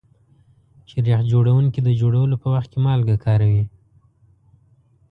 شیریخ جوړونکي د جوړولو په وخت کې مالګه کاروي.